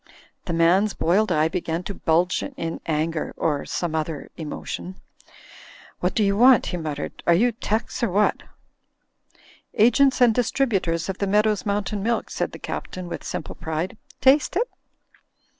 The man's boiled eye began to bulge in anger— or some other emotion. 'What do you want?" he muttered, "are you 'tecs or what?" "Agents and Distributors of the Meadows' Moim tain Milk," said the Captain, with simple pride, "taste it?"